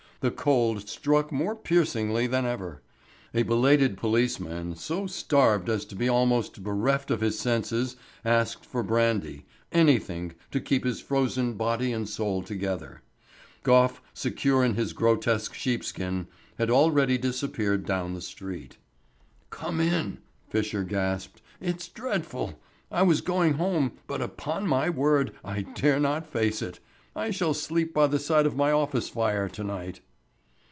The cold struck more piercingly than ever. A belated policeman so starved as to be almost bereft of his senses asked for brandy anything to keep frozen body and soul together. Gough, secure in his grotesque sheepskin, had already disappeared down the street. "Come in," Fisher gasped. "It's dreadful. I was going home, but upon my word I dare not face it. I shall sleep by the side of my office fire to night."